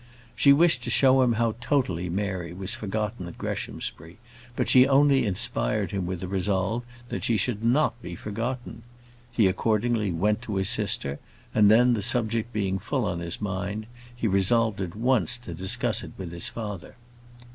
She wished to show him how totally Mary was forgotten at Greshamsbury; but she only inspired him with a resolve that she should not be forgotten. He accordingly went to his sister; and then, the subject being full on his mind, he resolved at once to discuss it with his father.